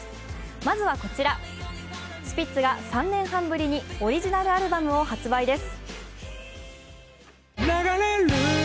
まずはこちら、スピッツが３年半ぶりにオリジナルアルバムを発売です。